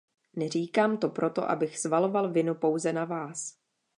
Neříkám to proto, abych svaloval vinu pouze na vás.